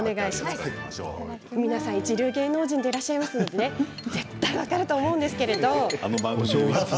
皆さん一流芸能人でいらっしゃいますので絶対に分かると思うんですけれど。